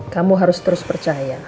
kamu harus terus percaya